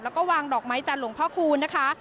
แล้วก็วางดอกไม้จันทร์หลวงพ่อคูณนะคะ